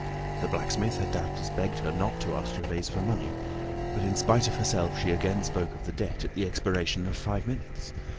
The blacksmith had doubtless begged her not to ask Gervaise for money; but in spite of herself she again spoke of the debt at the expiration of five minutes.